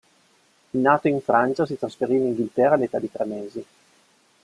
Nato in Francia, si trasferì in Inghilterra all'età di tre mesi.